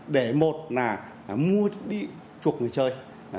để một là mua đi chuộc người chơi